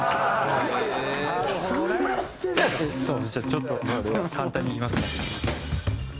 ちょっと簡単にいきますね。